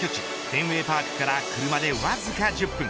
フェンウェイパークから車でわずか１０分